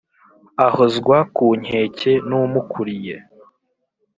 Ahozwa ku nkeke n’umukuriye